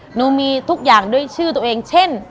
หนูมีทุกอย่างด้วยชื่อตัวเองเช่น